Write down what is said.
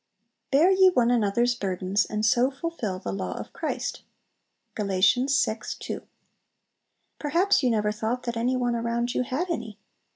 "Bear ye one another's burdens, and so fulfill the law of Christ." Gal. vi. 2. Perhaps you never thought that any one around you had any!